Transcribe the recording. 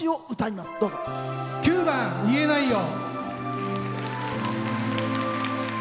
９番「言えないよ」。